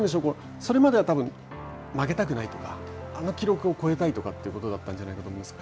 それまでは負けたくないとかあの記録を超えたいとかということだったと思います。